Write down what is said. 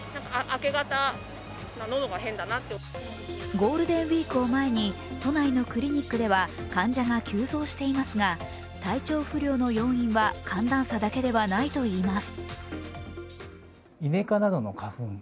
ゴールデンウイークを前に都内のクリニックでは患者が急増していますが、体調不良の要因は寒暖差だけではないといいます。